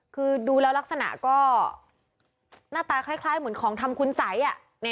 คือดูแล้วลักษณะก็หน้าตาคล้ายเหมือนของทำคุณสัย